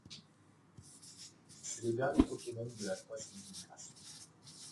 C'est le dernier Pokémon de la troisième génération.